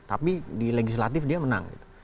tapi di legislatif dia menang